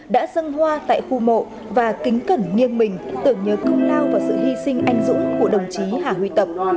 đã dâng hoa tại khu mộ và kính cẩn nghiêng mình tưởng nhớ công lao và sự hy sinh anh dũng của đồng chí hà huy tập